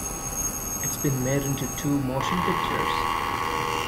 It has been made into two motion pictures.